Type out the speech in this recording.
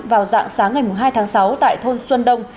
vào dạng sáng ngày hai tháng sáu tại thôn xuân đông